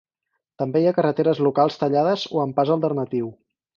També hi ha carreteres locals tallades o amb pas alternatiu.